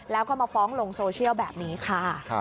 แล้วก็มาฟ้องลงโซเชียลแบบนี้ค่ะ